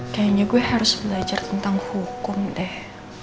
kayaknya gue harus belajar tentang hukum deh